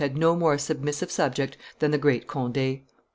had no more submissive subject than the great Conde.